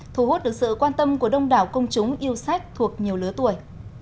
thu hút được sự quan tâm của đông đảo công chúng yêu sách thuộc nhiều lứa tuổi